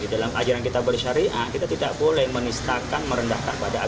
di dalam ajaran kita berisyaariah kita tidak boleh menistakan merendahkan peradangan